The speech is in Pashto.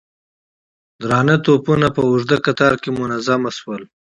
درانه توپونه په اوږده کتار کې منظم شول.